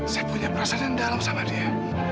saya punya perasaan yang dalam sama dia